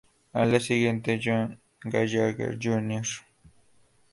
Al día siguiente, John Gallagher Jr.